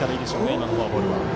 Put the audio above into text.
今のフォアボールは。